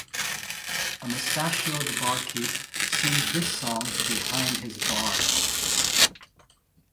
A mustachioed barkeep sings this song behind his bar.